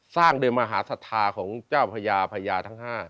สร้างโดยมหาศรัทธาของเจ้าพญาพญาทั้ง๕